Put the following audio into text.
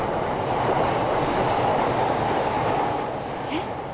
えっ？